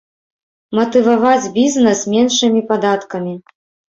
Матываваць бізнэс меншымі падаткамі.